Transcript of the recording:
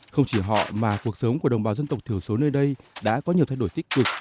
không chỉ họ mà cuộc sống của đồng bào dân tộc thiểu số nơi đây đã có nhiều thay đổi tích cực